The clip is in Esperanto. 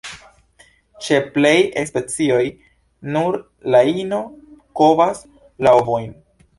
Ĉe plej specioj, nur la ino kovas la ovojn.